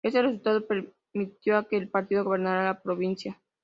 Este resultado permitió a que el partido gobernara la provincia.